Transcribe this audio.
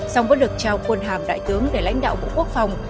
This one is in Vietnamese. song vẫn được trao quân hàm đại tướng để lãnh đạo bộ quốc phòng